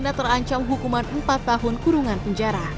kare nira terancam hukuman empat tahun kurungan penjara